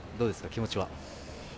気持ちは。